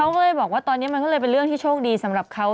เขาก็เลยบอกว่าตอนนี้มันก็เลยเป็นเรื่องที่โชคดีสำหรับเขา